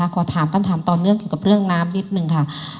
ขอถามตอนเนื่องเกี่ยวกับเรื่องน้ำนิดหนึ่งค่ะ